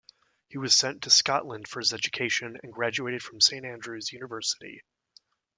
He was sent to Scotland for his education and graduated from Saint Andrews University.